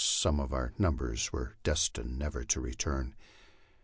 some of our number were destined never to return.